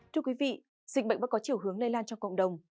thưa quý vị dịch bệnh vẫn có chiều hướng lây lan trong cộng đồng